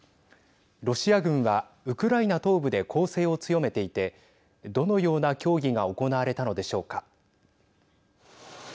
ロシア軍はウクライナ東部で攻勢を強めていてどのような協議が行われたのでしょうか。